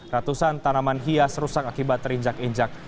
ratusan tanaman hias rusak akibat terinjak injak